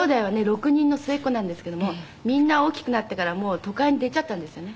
６人の末っ子なんですけどもみんな大きくなってからもう都会に出ちゃったんですよね。